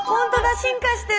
進化してる！